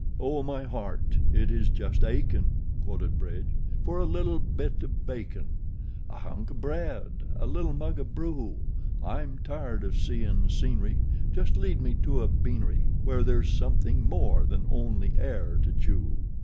"Oh, my heart it is just achin'," quoted Bridge, "For a little bite of bacon, "A hunk of bread, a little mug of brew; "I'm tired of seein' scenery, "Just lead me to a beanery "Where there's something more than only air to chew."